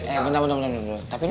eh bentar bentar bentar